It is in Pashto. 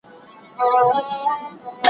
یوازي لس تنه دي..